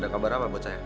ada kabar apa bocah ya